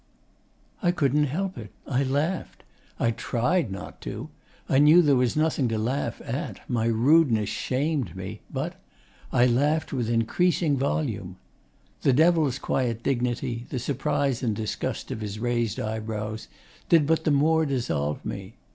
I couldn't help it: I laughed. I tried not to, I knew there was nothing to laugh at, my rudeness shamed me, but I laughed with increasing volume. The Devil's quiet dignity, the surprise and disgust of his raised eyebrows, did but the more dissolve me.